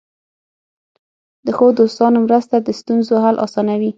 د ښو دوستانو مرسته د ستونزو حل آسانوي.